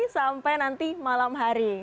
sampai nanti malam hari